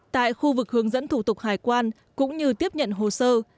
tại khu vực hướng dẫn thủ tục hải quan cũng như tiếp nhận hồ sơ